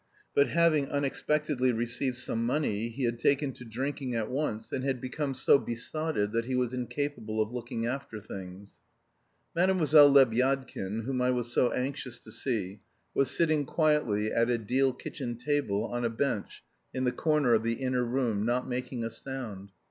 But having unexpectedly received some money, he had taken to drinking at once, and had become so besotted that he was incapable of looking after things. Mlle. Lebyadkin, whom I was so anxious to see, was sitting quietly at a deal kitchen table on a bench in the corner of the inner room, not making a sound.